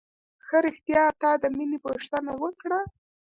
ښه رښتيا تا د مينې پوښتنه وکړه.